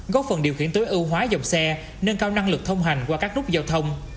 góp phần điều khiển tối ưu hóa dòng xe nâng cao năng lực thông hành qua các nút giao thông